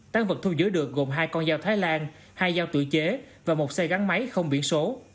tăng vật thu giữ được gồm hai con dao thái lan hai dao tự chế và một xe gắn máy không biển số